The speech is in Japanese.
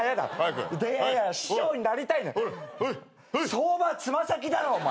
相場爪先だろお前！